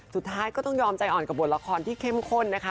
สุดท้ายก็ต้องยอมใจอ่อนกับบทละครที่เข้มข้นนะคะ